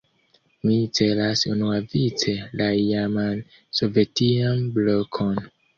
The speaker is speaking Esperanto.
Mi celas unuavice la iaman sovetian "blokon".